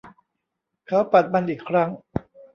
เขาปัดมันอีกครั้ง